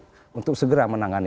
dan tolong perintahkan ke masyarakat